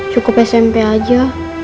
cukup smp aja